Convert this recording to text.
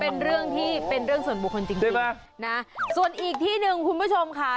เป็นเรื่องที่เป็นเรื่องส่วนบุคคลจริงใช่ไหมนะส่วนอีกที่หนึ่งคุณผู้ชมค่ะ